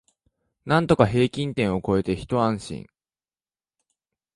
なんとか平均点を超えてひと安心